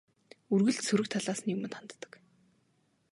Үргэлж сөрөг талаас нь юманд ханддаг.